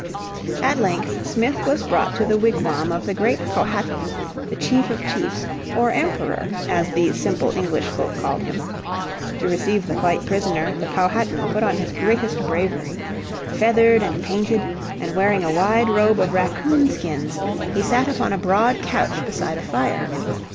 At length Smith was brought to the wigwam of the great Powhatan*, the chief of chiefs, or Emperor, as these simple English folk called him. To receive the white prisoner the Powhatan put on his greatest bravery. Feathered and painted, and wearing a wide robe of raccoon skins he sat upon a broad couch beside a fire.